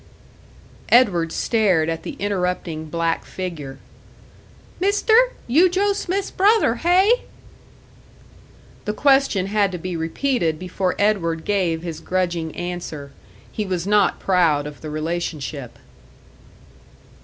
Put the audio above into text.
Edward stared at the interrupting black figure. "Mister, you Joe Smith's brother, hey?" The question had to be repeated before Edward gave his grudging answer. He was not proud of the relationship.